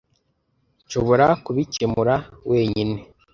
Nshobora kubikemura wenyine.